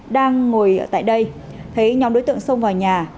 đang ngồi tại đây thấy nhóm đối tượng xông vào nhà